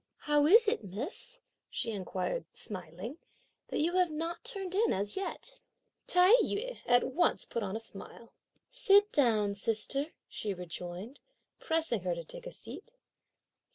"How is it, miss," she inquired smiling, "that you have not turned in as yet?" Tai yü at once put on a smile. "Sit down, sister," she rejoined, pressing her to take a seat.